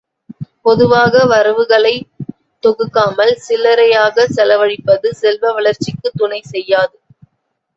பொதுவாக வரவுகளைத் தொகுக்காமல் சில்லறையாகச் செலவழிப்பது செல்வ வளர்ச்சிக்குத் துணை செய்யாது.